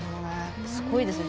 すごいですね。